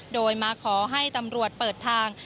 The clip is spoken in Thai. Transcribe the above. โดยมาขอให้ตำรวจเปิดทาง